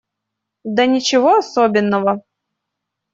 Да ничего особенного.